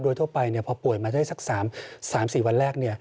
โดยทั่วไปพอป่วยมาได้สัก๓๔วันแรก